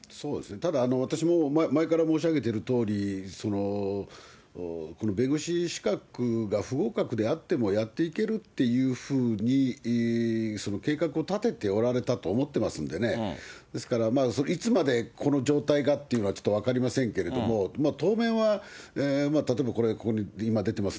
ただ、私も前から申し上げているとおり、この弁護士資格が不合格であっても、やっていけるっていうふうに計画を立てておられたと思ってますんでね、ですから、いつまでこの状態がっていうのは、ちょっと分かりませんけれども、当面は、例えばこれ、ここに今出てます